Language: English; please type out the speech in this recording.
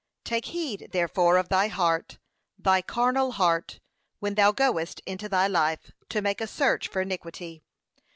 Take heed, therefore, of thy heart, thy carnal heart, when thou goest into thy life, to make a search for iniquity.